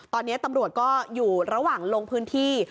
ตอนนี้ตำรวจก็อยู่ระหว่างลงพื้นที่